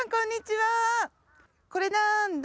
これなんだ？